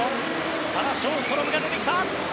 サラ・ショーストロムが出てきた。